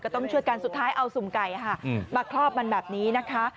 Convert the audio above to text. ต้องช่วยกันสุดท้ายเอาสุ่มไก่มาครอบมันแบบนี้นะคะ